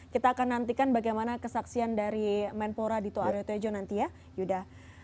kita akan nantikan bagaimana kesaksian dari menpora dito aryo tejo nanti ya yuda